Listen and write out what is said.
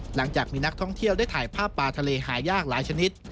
หลังจากมีนักท่องเที่ยวได้ถ่ายภาพปลาทะเลหายากหลายชนิด